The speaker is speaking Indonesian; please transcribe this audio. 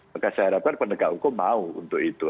maka saya harapkan penegak hukum mau untuk itu